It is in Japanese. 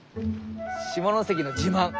下関の自慢！